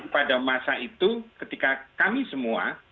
pada masa itu ketika kami semua